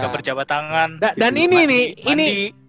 berjabat tangan dan ini nih ini